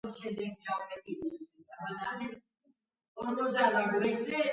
დადასტურებულია, რომ ამავე პერიოდში და ამავე მიზნით ალბანეთსა და სომხეთშიც წავიდნენ სირიელი მოღვაწენი.